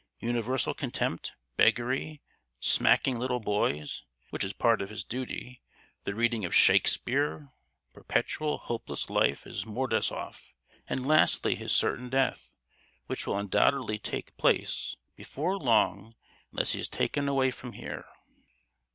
Universal contempt, beggary; smacking little boys, which is part of his duty; the reading of Shakespeare; perpetual, hopeless life in Mordasoff; and lastly his certain death, which will undoubtedly take place before long unless he is taken away from here!